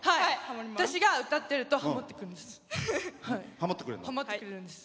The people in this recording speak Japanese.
私が歌ってるとハモってくれるんです。